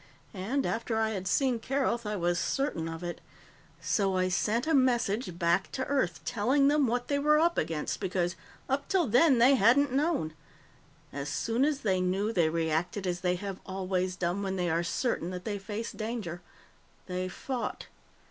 And, after I had seen Keroth, I was certain of it. So I sent a message back to Earth, telling them what they were up against, because, up 'til then they hadn't known. As soon as they knew, they reacted as they have always done when they are certain that they face danger. They fought.